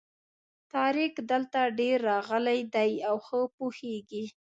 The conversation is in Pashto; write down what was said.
طارق دلته ډېر راغلی دی او ښه پوهېږي.